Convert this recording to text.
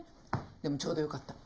でもちょうどよかった。